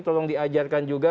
tolong diajarkan juga